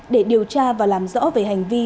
để điều tra và làm rõ về hành vi